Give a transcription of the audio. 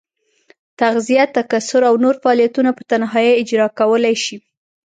تغذیه، تکثر او نور فعالیتونه په تنهایي اجرا کولای شي.